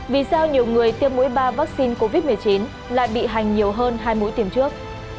vì sao nhiều người tiêm mũi ba vaccine covid một mươi chín lại bị hành nhiều hơn hai mũi tiêm trước